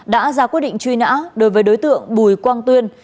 đã ra quyết định truy nã đối với đối tượng bùi quang tuyên